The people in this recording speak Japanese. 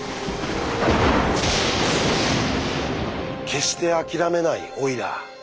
決して諦めないオイラー。